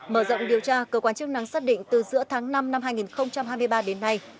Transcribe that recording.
mở rộng điều tra cơ quan chức năng xác định từ giữa tháng năm năm hai nghìn hai mươi ba đến nay